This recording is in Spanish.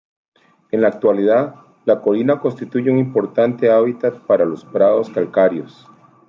En la actualidad, la colina constituye un importante hábitat para las prados calcáreos.